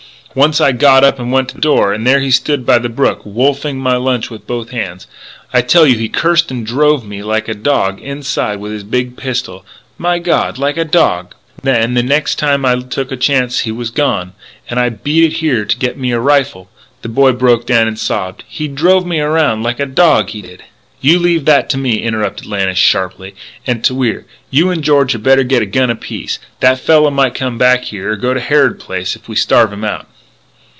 "Once I got up and went to the door; and there he stood by the brook, wolfing my lunch with both hands. I tell you he cursed and drove me, like a dog, inside with his big pistol my God like a dog.... "Then, the next time I took a chance he was gone.... And I beat it here to get me a rifle " The boy broke down and sobbed: "He drove me around like a dog he did " "You leave that to me," interrupted Lannis sharply. And, to Wier: "You and George had better get a gun apiece. That fellow might come back here or go to Harrod Place if we starve him out."